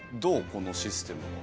このシステムは。